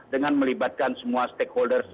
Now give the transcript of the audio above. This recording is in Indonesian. dengan melibatkan semua stakeholders